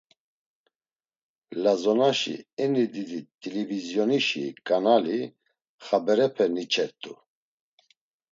Lazonaşi eni didi t̆ilivizyonişi kanali xaberepe niçert̆u.